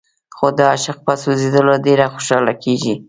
خو د عاشق په سوځېدلو ډېره خوشاله کېږي.